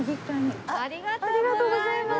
ありがとうございます。